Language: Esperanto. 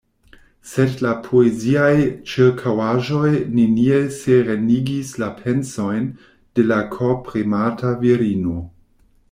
Sed la poeziaj ĉirkaŭaĵoj neniel serenigis la pensojn de la korpremata virino.